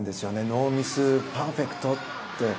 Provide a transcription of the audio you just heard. ノーミス、パーフェクトで。